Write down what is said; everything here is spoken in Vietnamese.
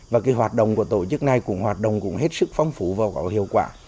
và cái hoạt động của tổ chức này cũng hoạt động cũng hết sức phong phú và có hiệu quả